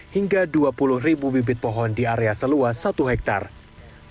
hingga dua puluh ribu bibit pohon di area seluas satu hektare